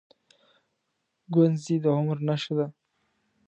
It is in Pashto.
گونځې د عمر نښه ده.